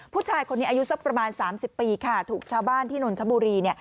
ผู้ชายคนนี้อายุสักประมาณ๓๐ปีค่ะถูกชาวบ้านที่นนทบุรีเนี่ย